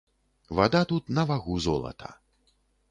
Вада тут на вагу золата.